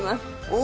お！